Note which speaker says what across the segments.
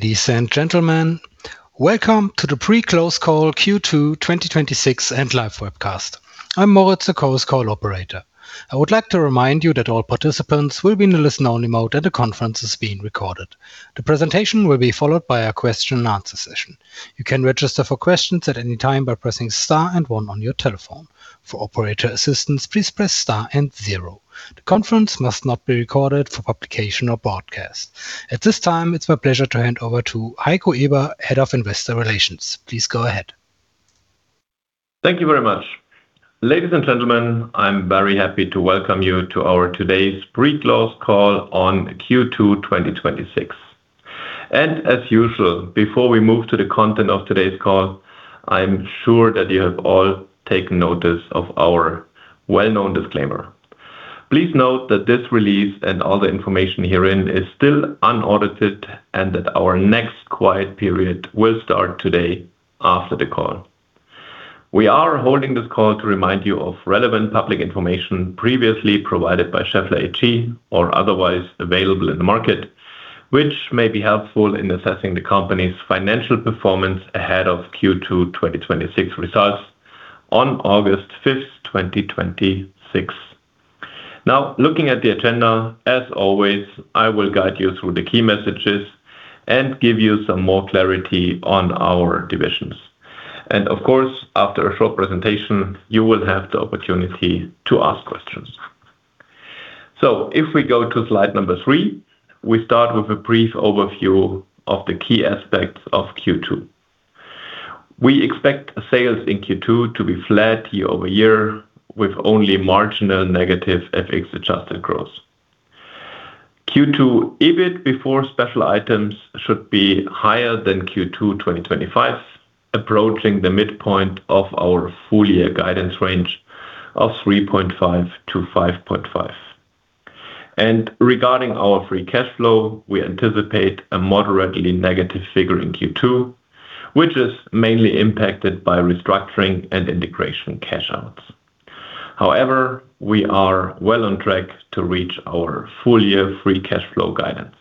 Speaker 1: Ladies and gentlemen, welcome to the Pre-close call Q2 2026 and live webcast. I am Moritz, the Chorus Call operator. I would like to remind you that all participants will be in the listen-only mode, and the conference is being recorded. The presentation will be followed by a question-and-answer session. You can register for questions at any time by pressing star and one on your telephone. For operator assistance, please press star and zero. The conference must not be recorded for publication or broadcast. At this time, it is my pleasure to hand over to Heiko Eber, Head of Investor Relations. Please go ahead.
Speaker 2: Thank you very much. Ladies and gentlemen, I am very happy to welcome you to our today's pre-close call on Q2 2026. As usual, before we move to the content of today's call, I am sure that you have all taken notice of our well-known disclaimer. Please note that this release and all the information herein is still unaudited and that our next quiet period will start today after the call. We are holding this call to remind you of relevant public information previously provided by Schaeffler AG or otherwise available in the market, which may be helpful in assessing the company's financial performance ahead of Q2 2026 results on August 5th, 2026. Looking at the agenda, as always, I will guide you through the key messages and give you some more clarity on our divisions. Of course, after a short presentation, you will have the opportunity to ask questions. If we go to slide number three, we start with a brief overview of the key aspects of Q2. We expect sales in Q2 to be flat year-over-year, with only marginal negative FX-adjusted growth. Q2 EBIT before special items should be higher than Q2 2025, approaching the midpoint of our full-year guidance range of 3.5%-5.5%. Regarding our free cash flow, we anticipate a moderately negative figure in Q2, which is mainly impacted by restructuring and integration cash outs. However, we are well on track to reach our full-year free cash flow guidance.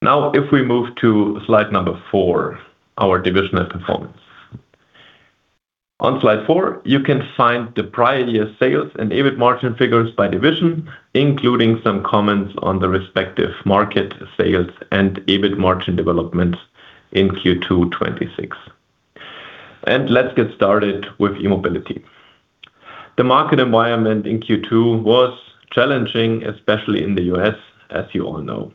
Speaker 2: If we move to slide number four, our divisional performance. On slide four, you can find the prior year sales and EBIT margin figures by division, including some comments on the respective market sales and EBIT margin development in Q2 2026. Let's get started with E-Mobility. The market environment in Q2 was challenging, especially in the U.S., as you all know.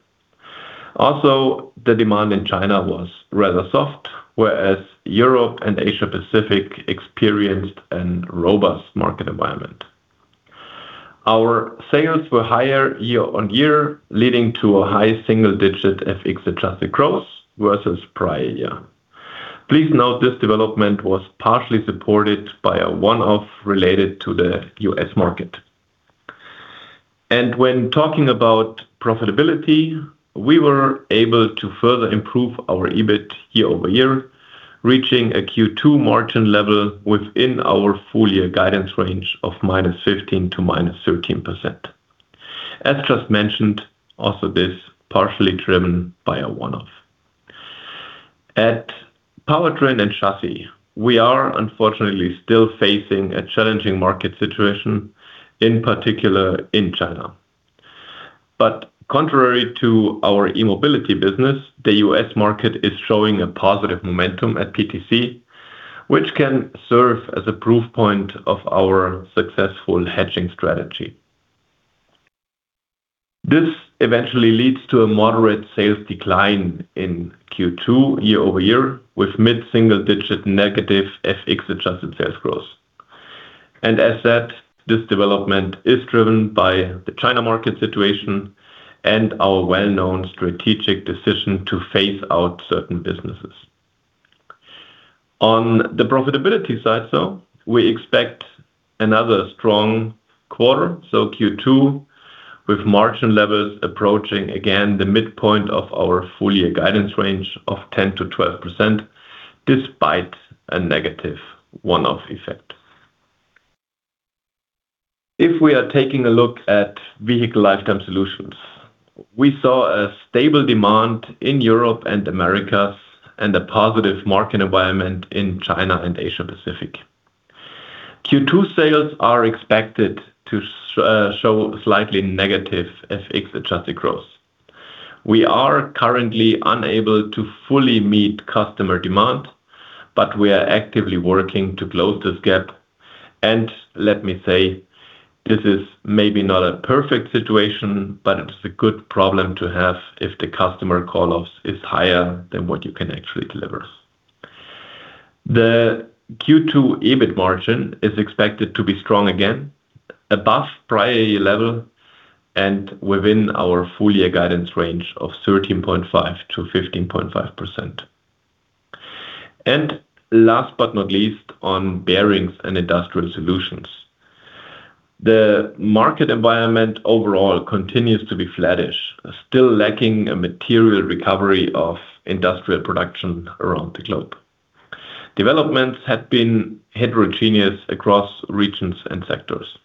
Speaker 2: The demand in China was rather soft, whereas Europe and Asia Pacific experienced a robust market environment. Our sales were higher year-on-year, leading to a high single-digit FX-adjusted growth versus prior year. Please note this development was partially supported by a one-off related to the U.S. market. When talking about profitability, we were able to further improve our EBIT year-over-year, reaching a Q2 margin level within our full-year guidance range of -15% to -13%. As just mentioned, also this partially driven by a one-off. At Powertrain & Chassis, we are unfortunately still facing a challenging market situation, in particular in China. Contrary to our E-Mobility business, the U.S. market is showing a positive momentum at PTC, which can serve as a proof point of our successful hedging strategy. This eventually leads to a moderate sales decline in Q2 year-over-year, with mid-single-digit negative FX-adjusted sales growth. As said, this development is driven by the China market situation and our well-known strategic decision to phase out certain businesses. On the profitability side, we expect another strong quarter, Q2, with margin levels approaching again the midpoint of our full-year guidance range of 10%-12%, despite a negative one-off effect. If we are taking a look at Vehicle Lifetime Solutions, we saw a stable demand in Europe and Americas and a positive market environment in China and Asia Pacific. Q2 sales are expected to show slightly negative FX-adjusted growth. We are currently unable to fully meet customer demand, but we are actively working to close this gap. Let me say, this is maybe not a perfect situation, but it's a good problem to have if the customer call-offs is higher than what you can actually deliver. The Q2 EBIT margin is expected to be strong again, above prior year level and within our full-year guidance range of 13.5%-15.5%. Last but not least, on Bearings & Industrial Solutions. The market environment overall continues to be flattish, still lacking a material recovery of industrial production around the globe. Developments have been heterogeneous across regions and sectors.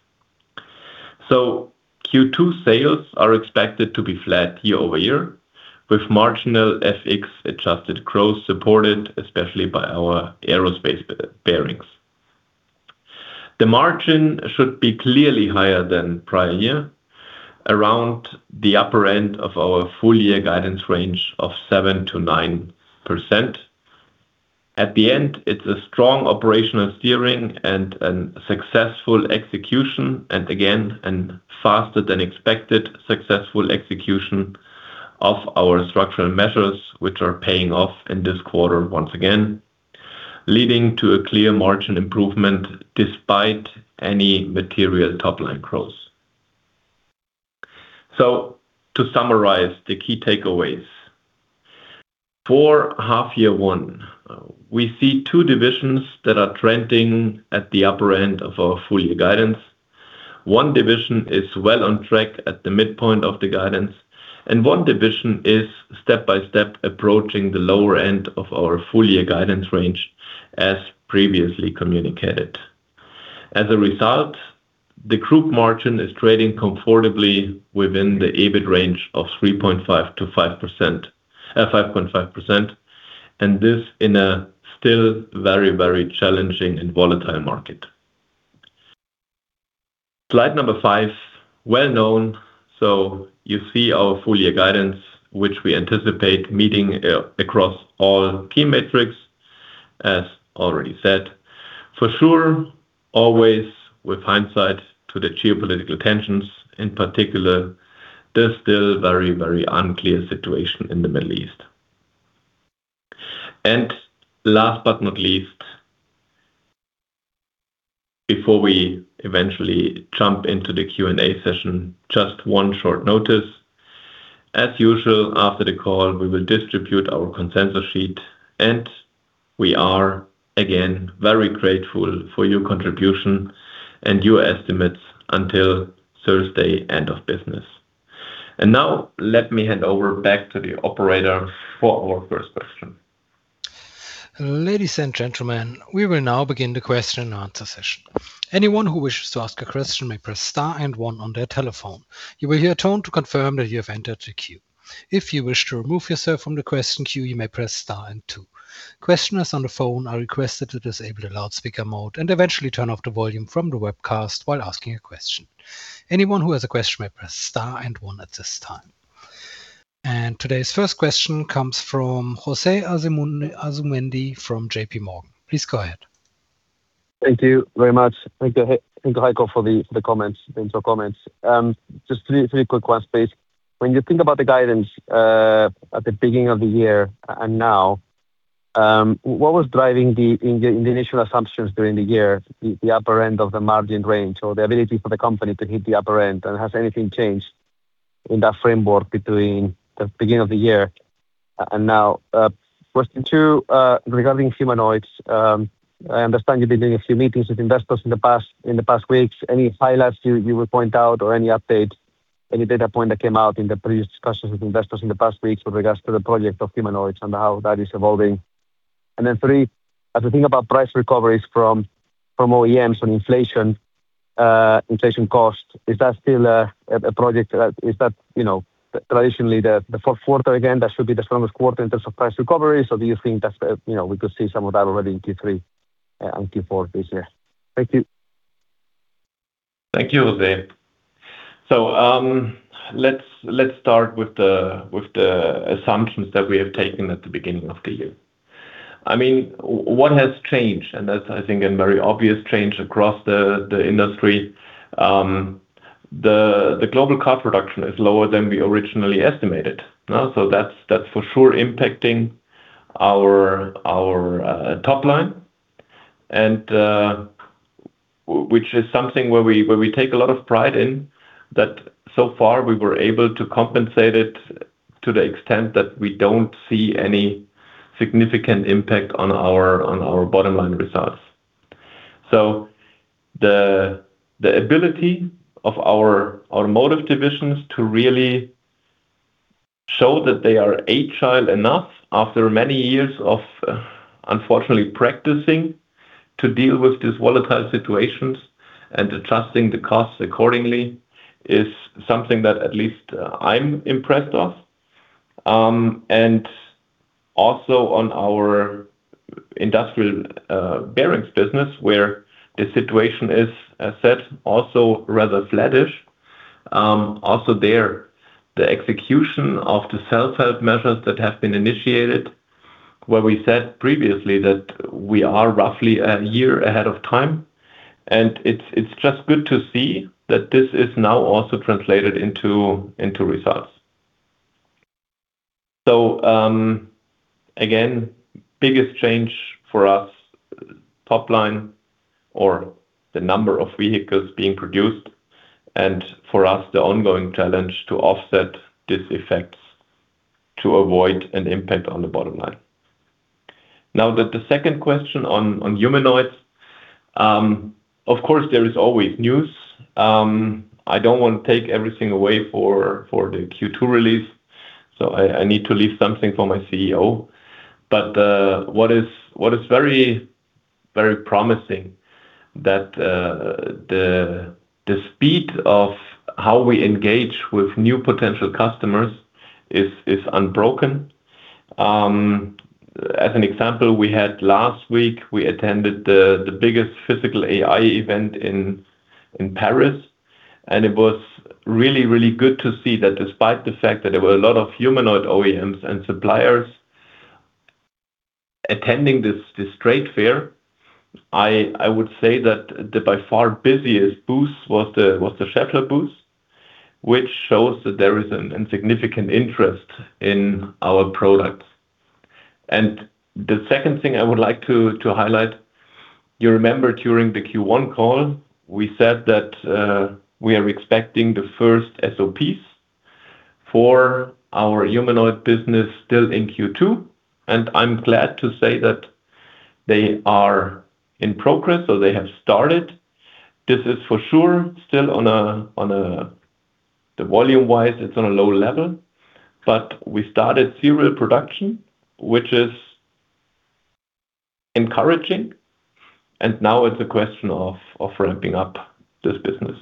Speaker 2: Q2 sales are expected to be flat year-over-year, with marginal FX-adjusted growth supported especially by our aerospace bearings. The margin should be clearly higher than prior year, around the upper end of our full-year guidance range of 7%-9%. At the end, it's a strong operational steering and a successful execution. Again, a faster than expected successful execution of our structural measures, which are paying off in this quarter once again, leading to a clear margin improvement despite any material top-line growth. To summarize the key takeaways. For half year one, we see two divisions that are trending at the upper end of our full-year guidance. One division is well on track at the midpoint of the guidance, and one division is step by step approaching the lower end of our full-year guidance range, as previously communicated. As a result, the group margin is trading comfortably within the EBIT range of 3.5%-5.5%, and this in a still very challenging and volatile market. Slide number five. Well known. You see our full-year guidance, which we anticipate meeting across all key metrics, as already said. For sure, always with hindsight to the geopolitical tensions, in particular, there's still very unclear situation in the Middle East. Last but not least, before we eventually jump into the Q&A session, just one short notice. As usual, after the call, we will distribute our consensus sheet, and we are, again, very grateful for your contribution and your estimates until Thursday, end of business. Now, let me hand over back to the operator for our first question.
Speaker 1: Ladies and gentlemen, we will now begin the question and answer session. Anyone who wishes to ask a question may press star and one on their telephone. You will hear a tone to confirm that you have entered the queue. If you wish to remove yourself from the question queue, you may press star and two. Questioners on the phone are requested to disable the loudspeaker mode and eventually turn off the volume from the webcast while asking a question. Anyone who has a question may press star and one at this time. Today's first question comes from Jose Asumendi from JPMorgan. Please go ahead.
Speaker 3: Thank you very much. Thank you, Heiko, for the comments and your comments. Just three quick ones, please. When you think about the guidance at the beginning of the year and now, what was driving in the initial assumptions during the year, the upper end of the margin range or the ability for the company to hit the upper end? Has anything changed in that framework between the beginning of the year and now? Question two, regarding Humanoids. I understand you've been doing a few meetings with investors in the past weeks. Any highlights you would point out or any updates, any data point that came out in the previous discussions with investors in the past weeks with regards to the project of Humanoids and how that is evolving? Three, as we think about price recoveries from OEMs on inflation cost, is that still a project that is traditionally the fourth quarter again, that should be the strongest quarter in terms of price recovery? Do you think that we could see some of that already in Q3 and Q4 this year? Thank you.
Speaker 2: Thank you, Jose. Let's start with the assumptions that we have taken at the beginning of the year. What has changed, that's I think a very obvious change across the industry. The global car production is lower than we originally estimated. That's for sure impacting our top line, which is something where we take a lot of pride in that so far, we were able to compensate it to the extent that we don't see any significant impact on our bottom line results. The ability of our automotive divisions to really show that they are agile enough after many years of unfortunately practicing to deal with these volatile situations and adjusting the costs accordingly is something that at least I'm impressed of. Also on our industrial bearings business where the situation is, as said, also rather flattish. There, the execution of the self-help measures that have been initiated, where we said previously that we are roughly a year ahead of time, and it is just good to see that this is now also translated into results. Again, biggest change for us, top line or the number of vehicles being produced, and for us, the ongoing challenge to offset this effect to avoid an impact on the bottom line. Now the second question on Humanoids. Of course, there is always news. I do not want to take everything away for the Q2 release, so I need to leave something for my CEO. What is very promising that the speed of how we engage with new potential customers is unbroken. As an example, we had last week, we attended the biggest physical AI event in Paris, and it was really good to see that despite the fact that there were a lot of Humanoid OEMs and suppliers attending this trade fair, I would say that the by far busiest booth was the Schaeffler booth, which shows that there is a significant interest in our products. The second thing I would like to highlight, you remember during the Q1 call, we said that we are expecting the first SOPs for our Humanoid business still in Q2, and I am glad to say that they are in progress, so they have started. This is for sure, still volume-wise, it is on a low level, but we started serial production, which is encouraging. Now it is a question of ramping up this business.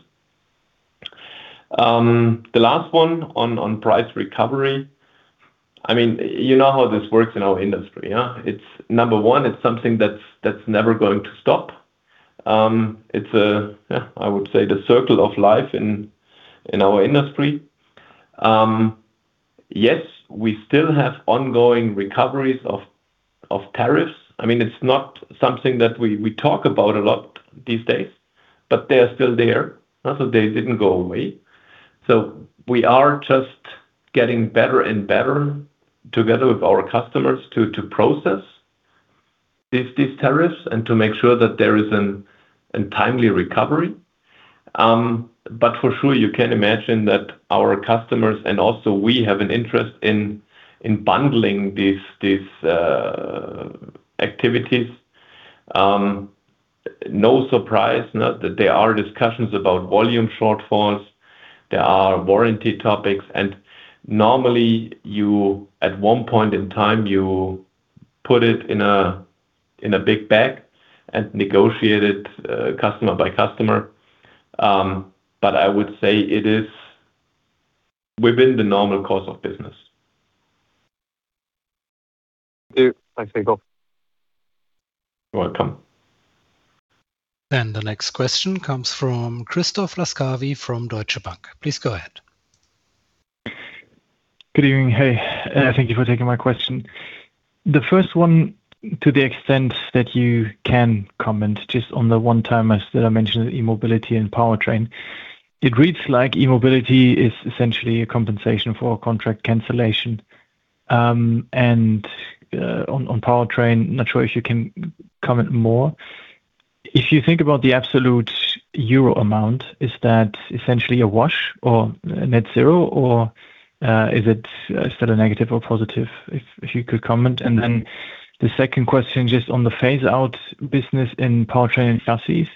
Speaker 2: The last one on price recovery. You know how this works in our industry? One, it is something that is never going to stop. It is, I would say, the circle of life in our industry. Yes, we still have ongoing recoveries of tariffs. It is not something that we talk about a lot these days, but they are still there. They did not go away. We are just getting better and better together with our customers to process these tariffs and to make sure that there is a timely recovery. For sure, you can imagine that our customers and also we have an interest in bundling these activities. No surprise, there are discussions about volume shortfalls. There are warranty topics, and normally, you, at one point in time, you put it in a big bag and negotiate it customer by customer. I would say it is within the normal course of business.
Speaker 3: Thank you. Thanks, Heiko.
Speaker 2: You're welcome.
Speaker 1: The next question comes from Christoph Laskawi from Deutsche Bank. Please go ahead.
Speaker 4: Good evening. Thank you for taking my question. The first one, to the extent that you can comment just on the one-timers that I mentioned, E-Mobility and Powertrain. It reads like E-Mobility is essentially a compensation for contract cancellation. On Powertrain, not sure if you can comment more. If you think about the absolute EUR amount, is that essentially a wash or net zero, or is it still a negative or positive? If you could comment. The second question, just on the phase out business in Powertrain & Chassis.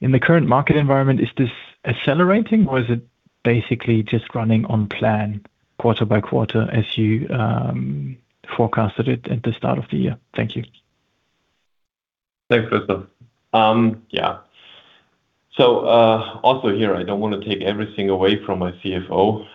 Speaker 4: In the current market environment, is this accelerating or is it basically just running on plan quarter by quarter as you forecasted it at the start of the year? Thank you.
Speaker 2: Thanks, Christoph. Also here, I don't want to take everything away from my CFO.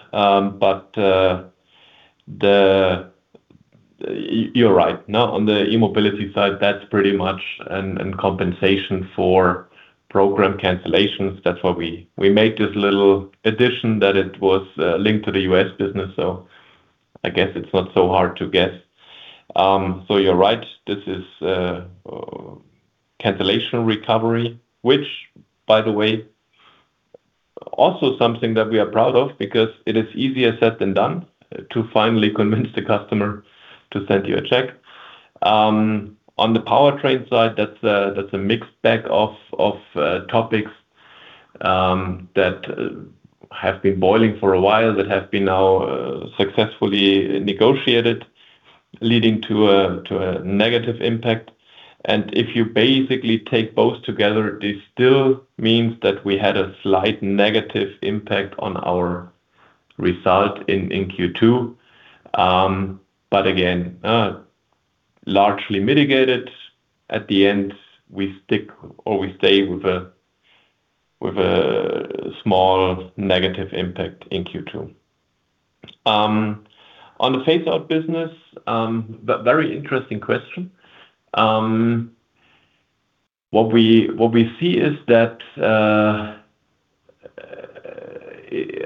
Speaker 2: You're right. On the E-Mobility side, that's pretty much an compensation for program cancellations. That's why we made this little addition that it was linked to the U.S. business. I guess it's not so hard to get. You're right. This is cancellation recovery, which, by the way, also something that we are proud of because it is easier said than done to finally convince the customer to send you a check. On the Powertrain side, that's a mixed bag of topics that have been boiling for a while, that have been now successfully negotiated, leading to a negative impact. If you basically take both together, this still means that we had a slight negative impact on our result in Q2. Again, largely mitigated. At the end, we stick or we stay with a small negative impact in Q2. On the phase out business, very interesting question. What we see is that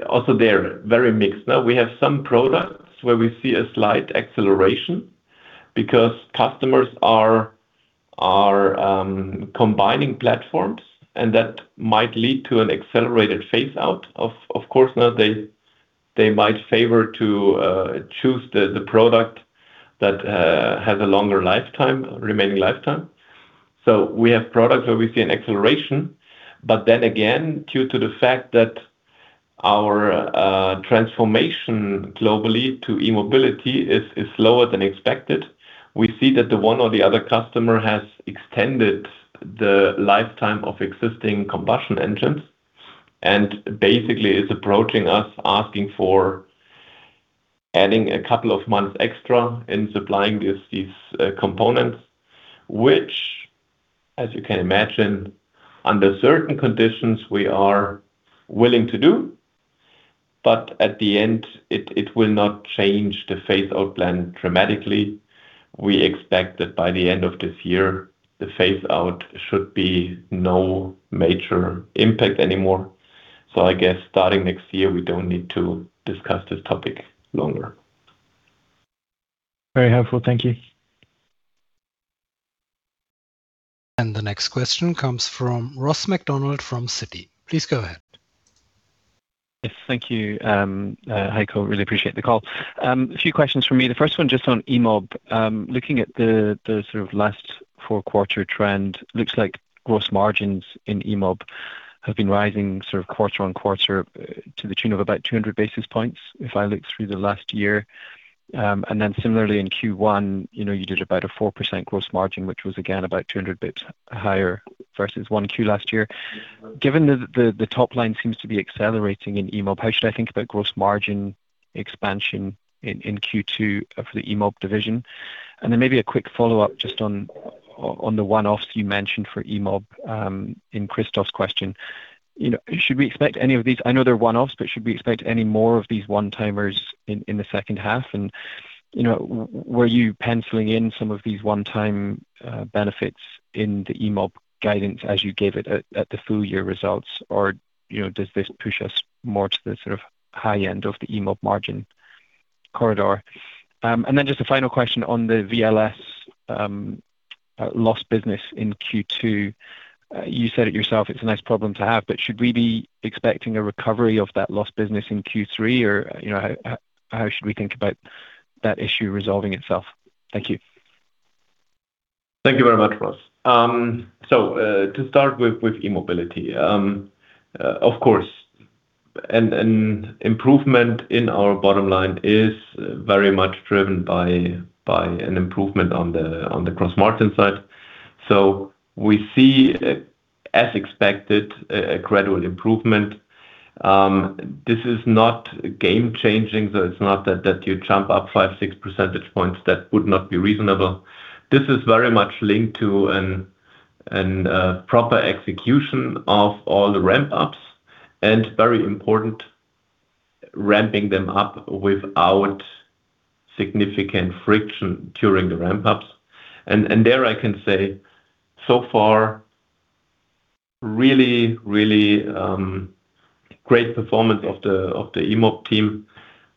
Speaker 2: also there, very mixed. We have some products where we see a slight acceleration because customers are combining platforms, and that might lead to an accelerated phase out. Of course, now they might favor to choose the product that has a longer remaining lifetime. We have products where we see an acceleration. Due to the fact that our transformation globally to E-Mobility is slower than expected, we see that the one or the other customer has extended the lifetime of existing combustion engines, and basically is approaching us asking for adding a couple of months extra in supplying these components, which, as you can imagine, under certain conditions, we are willing to do. At the end, it will not change the phase out plan dramatically. We expect that by the end of this year, the phase out should be no major impact anymore. I guess starting next year, we don't need to discuss this topic longer.
Speaker 4: Very helpful. Thank you.
Speaker 1: The next question comes from Ross MacDonald from Citi. Please go ahead.
Speaker 5: Yes, thank you. Heiko, really appreciate the call. A few questions from me. The first one just on E-Mobility. Looking at the sort of last four quarter trend, looks like gross margins in E-Mobility have been rising sort of quarter-on-quarter to the tune of about 200 basis points, if I look through the last year. Similarly in Q1, you did about a 4% gross margin, which was again about 200 basis points higher versus 1Q last year. Given the top line seems to be accelerating in E-Mobility, how should I think about gross margin expansion in Q2 for the E-Mobility division? Maybe a quick follow-up just on the one-offs you mentioned for E-Mobility, in Christoph's question. Should we expect any of these, I know they're one-offs, but should we expect any more of these one-timers in the second half? Were you penciling in some of these one-time benefits in the E-Mobility guidance as you gave it at the full year results? Does this push us more to the sort of high end of the E-Mobility margin corridor? Just a final question on the VLS lost business in Q2. You said it yourself, it's a nice problem to have, but should we be expecting a recovery of that lost business in Q3? How should we think about that issue resolving itself? Thank you.
Speaker 2: Thank you very much, Ross. To start with E-Mobility. Of course, an improvement in our bottom line is very much driven by an improvement on the gross margin side. We see, as expected, a gradual improvement. This is not game changing, so it's not that you jump up five, six percentage points. That would not be reasonable. This is very much linked to a proper execution of all the ramp-ups, and very important, ramping them up without significant friction during the ramp-ups. There I can say, so far, really great performance of the E-Mobility team.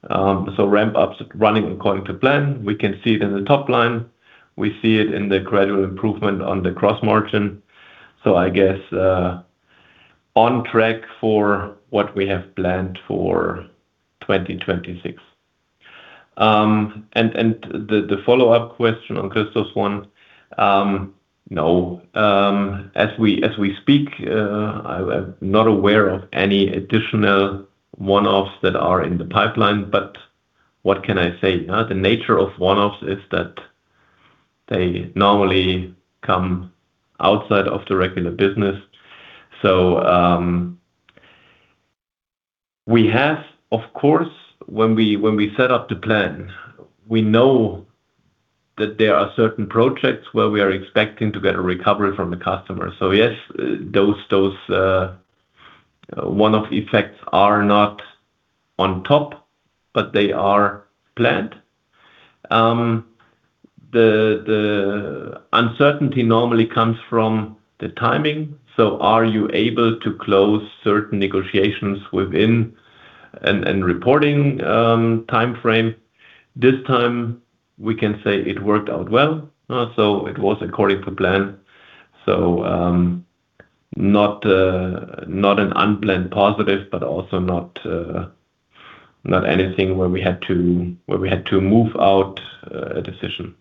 Speaker 2: Ramp-ups running according to plan. We can see it in the top line. We see it in the gradual improvement on the gross margin. I guess, on track for what we have planned for 2026. The follow-up question on Christoph's one. No, as we speak, I'm not aware of any additional one-offs that are in the pipeline, but what can I say? The nature of one-offs is that they normally come outside of the regular business. We have, of course, when we set up the plan, we know that there are certain projects where we are expecting to get a recovery from the customer. Yes, those one-off effects are not on top, but they are planned. The uncertainty normally comes from the timing. Are you able to close certain negotiations within, and reporting timeframe? This time, we can say it worked out well, so it was according to plan. Not an unplanned positive, but also not anything where we had to move out a decision.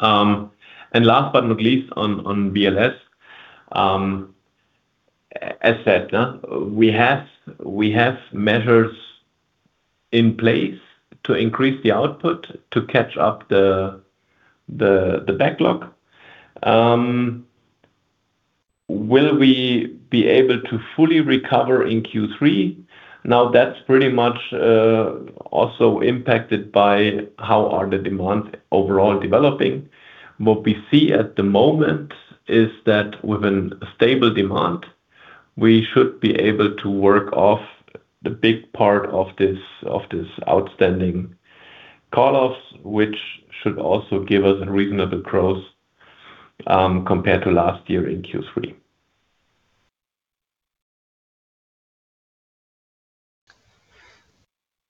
Speaker 2: Last but not least on VLS. As said, we have measures in place to increase the output to catch up the backlog. Will we be able to fully recover in Q3? That is pretty much also impacted by how are the demand overall developing. What we see at the moment is that with a stable demand, we should be able to work off the big part of this outstanding call-offs, which should also give us a reasonable growth, compared to last year in Q3.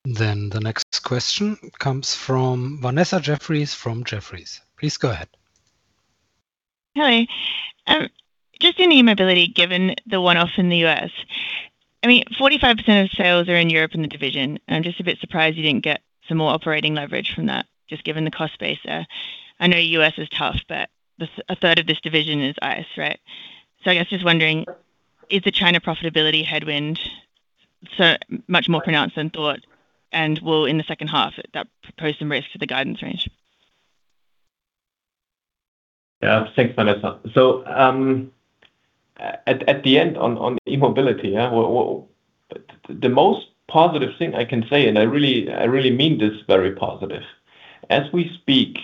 Speaker 1: The next question comes from Vanessa Jeffriess from Jefferies. Please go ahead.
Speaker 6: Hi. Just in E-Mobility, given the one-off in the U.S. I mean, 45% of sales are in Europe in the division. I am just a bit surprised you didn't get some more operating leverage from that, just given the cost base there. I know U.S. is tough, but a third of this division is ICE, right? I guess just wondering, is the China profitability headwind much more pronounced than thought, and will in the second half that pose some risk to the guidance range?
Speaker 2: Yeah. Thanks, Vanessa. At the end on E-Mobility, the most positive thing I can say, and I really mean this very positive. As we speak,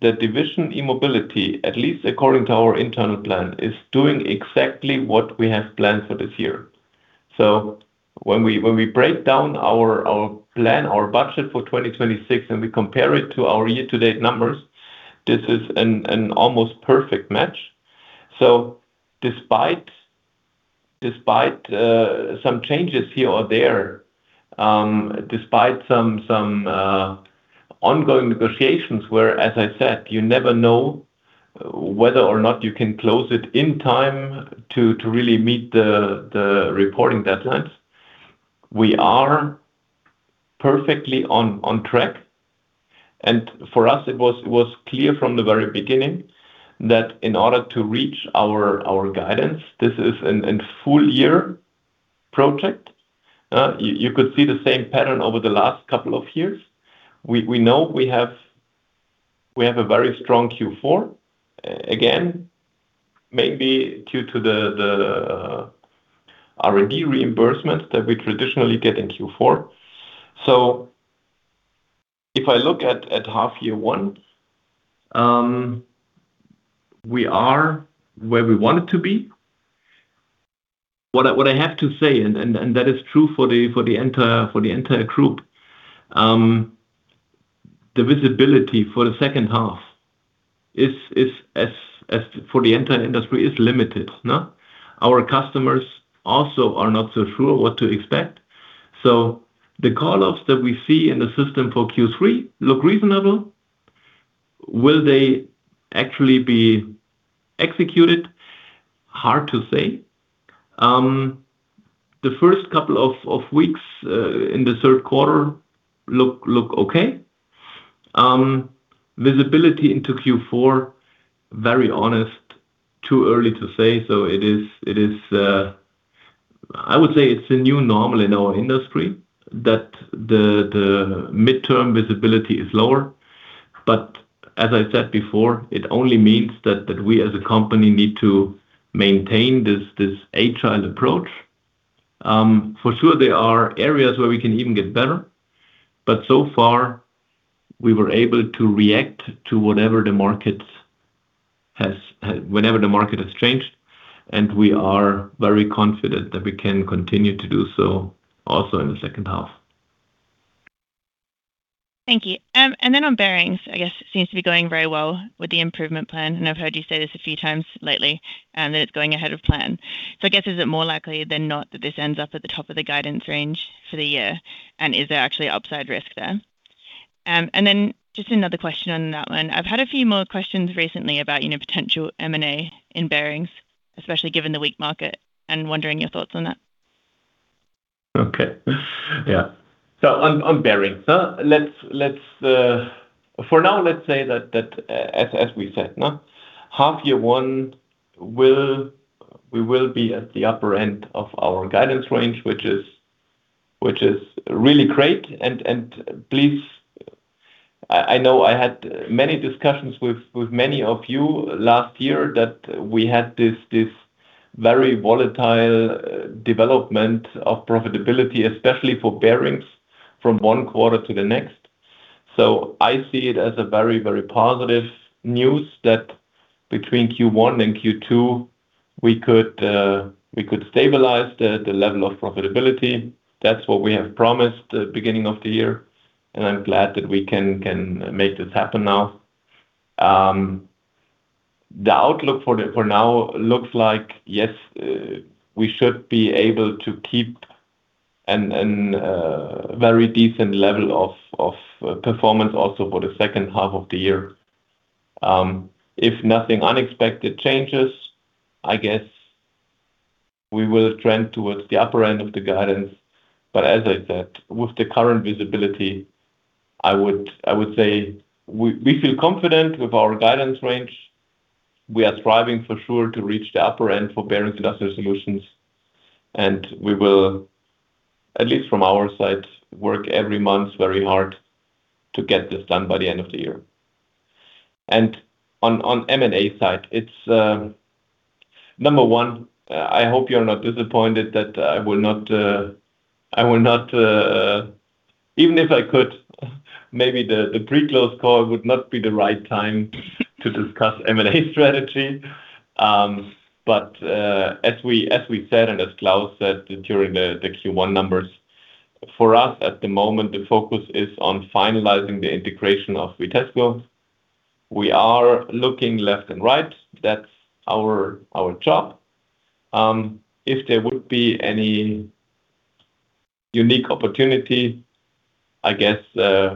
Speaker 2: the division E-Mobility, at least according to our internal plan, is doing exactly what we have planned for this year. When we break down our plan, our budget for 2026, and we compare it to our year-to-date numbers, this is an almost perfect match. Despite some changes here or there, despite some ongoing negotiations where, as I said, you never know whether or not you can close it in time to really meet the reporting deadlines. We are perfectly on track. For us, it was clear from the very beginning that in order to reach our guidance, this is a full year project. You could see the same pattern over the last couple of years. We know we have a very strong Q4, again, maybe due to the R&D reimbursement that we traditionally get in Q4. If I look at half year one, we are where we wanted to be. What I have to say, and that is true for the entire group. The visibility for the second half for the entire industry is limited. Our customers also are not so sure what to expect. The call-offs that we see in the system for Q3 look reasonable. Will they actually be executed? Hard to say. The first couple of weeks in the third quarter look okay. Visibility into Q4, very honest, too early to say. I would say it's a new normal in our industry that the midterm visibility is lower. As I said before, it only means that we as a company need to maintain this agile approach. For sure there are areas where we can even get better. So far, we were able to react to whenever the market has changed, and we are very confident that we can continue to do so also in the second half.
Speaker 6: Thank you. Then on bearings, I guess, seems to be going very well with the improvement plan, and I've heard you say this a few times lately, that it's going ahead of plan. I guess, is it more likely than not that this ends up at the top of the guidance range for the year? Is there actually upside risk there? Then just another question on that one. I've had a few more questions recently about potential M&A in bearings, especially given the weak market, and wondering your thoughts on that.
Speaker 2: Okay. Yeah. On bearings. For now, let's say that as we said. Half year one, we will be at the upper end of our guidance range, which is really great. I know I had many discussions with many of you last year that we had this very volatile development of profitability, especially for bearings from one quarter to the next. I see it as a very, very positive news that between Q1 and Q2, we could stabilize the level of profitability. That's what we have promised beginning of the year, and I'm glad that we can make this happen now. The outlook for now looks like, yes, we should be able to keep a very decent level of performance also for the second half of the year. If nothing unexpected changes, I guess we will trend towards the upper end of the guidance. As I said, with the current visibility, I would say we feel confident with our guidance range. We are striving for sure to reach the upper end for Bearings & Industrial Solutions, and we will, at least from our side, work every month very hard to get this done by the end of the year. On M&A side, number one, I hope you're not disappointed that I will not, even if I could, maybe the pre-close call would not be the right time to discuss M&A strategy. As we said, and as Klaus said during the Q1 numbers, for us at the moment, the focus is on finalizing the integration of Vitesco. We are looking left and right. That's our job. If there would be any unique opportunity, I guess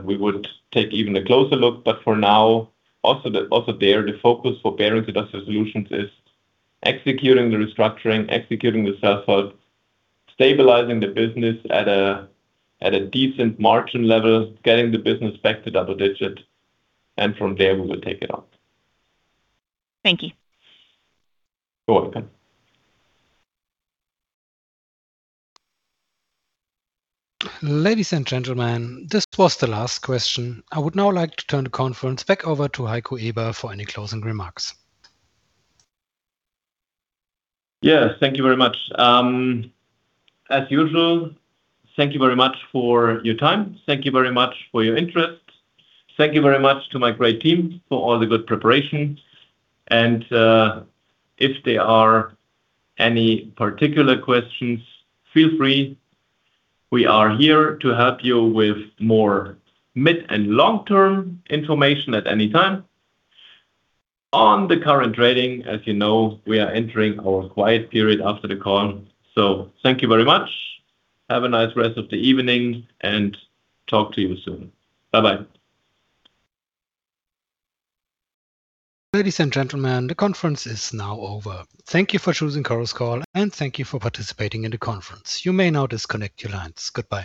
Speaker 2: we would take even a closer look. For now, also there, the focus for Bearings & Industrial Solutions is executing the restructuring, executing the self-help, stabilizing the business at a decent margin level, getting the business back to double digit, and from there, we will take it on.
Speaker 6: Thank you.
Speaker 2: You're welcome.
Speaker 1: Ladies and gentlemen, this was the last question. I would now like to turn the conference back over to Heiko Eber for any closing remarks.
Speaker 2: Yeah. Thank you very much. As usual, thank you very much for your time. Thank you very much for your interest. Thank you very much to my great team for all the good preparation. If there are any particular questions, feel free. We are here to help you with more mid and long-term information at any time. On the current trading, as you know, we are entering our quiet period after the call. Thank you very much. Have a nice rest of the evening, and talk to you soon. Bye-bye.
Speaker 1: Ladies and gentlemen, the conference is now over. Thank you for choosing Chorus Call, and thank you for participating in the conference. You may now disconnect your lines. Goodbye.